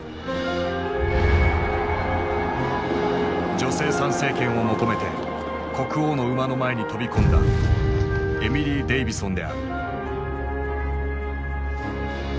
女性参政権を求めて国王の馬の前に飛び込んだエミリー・デイヴィソンである。